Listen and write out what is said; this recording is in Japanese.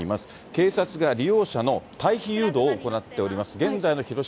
警察が利用者の退避誘導を行っております。